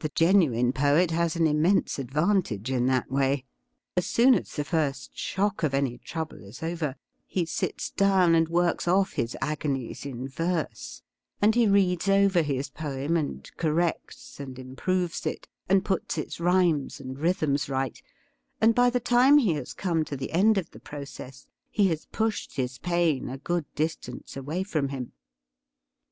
The genuine poet has an im mense advantage in that way. As soon as the first shock of any trouble is over, he sits down and works off his agonies in verse, and he reads over his poem and corrects and improves it, and puts its rhymes and rhythms right, and by the time he has come to the end of the process he has pushed his pain a good distance away from him.